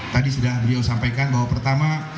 tadi sudah beliau sampaikan bahwa pertama